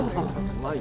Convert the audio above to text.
うまい。